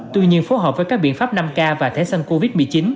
tuy nhiên phối hợp với các biện pháp năm k và thẻ săn covid một mươi chín